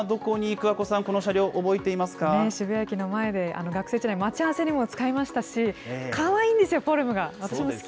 桑子さん、この車両、覚え渋谷駅の前で学生時代、待ち合わせにも使いましたし、かわいいんですよ、フォルムが。